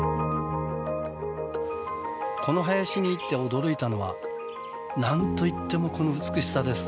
この林に行って驚いたのはなんといってもこの美しさです。